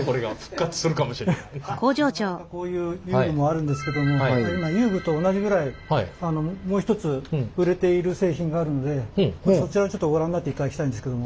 なかなかこういう遊具もあるんですけども今遊具と同じぐらいもう一つ売れている製品があるのでそちらをちょっとご覧になっていただきたいんですけども。